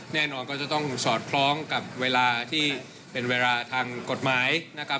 แน่นอนก็จะต้องสอดคล้องกับเวลาที่เป็นเวลาทางกฎหมายนะครับ